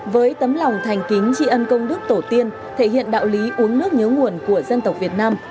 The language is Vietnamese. với tấm lòng thành kính tri ân công đức tổ tiên thể hiện đạo lý uống nước nhớ nguồn của dân tộc việt nam